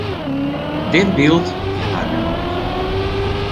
Dit byld wie har genôch.